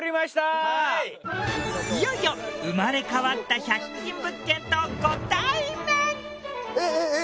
いよいよ生まれ変わった１００均物件とご対面。